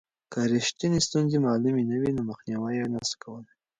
که رښتینې ستونزې معلومې نه وي نو مخنیوی یې نسو کولای.